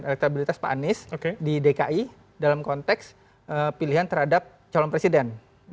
elektabilitas pak anies di dki dalam konteks pilihan terhadap calon presiden